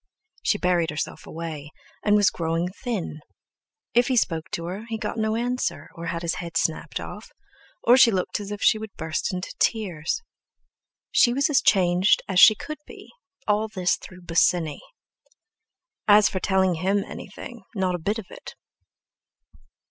She buried herself away, and was growing thin; if he spoke to her he got no answer, or had his head snapped off, or she looked as if she would burst into tears. She was as changed as she could be, all through this Bosinney. As for telling him about anything, not a bit of it!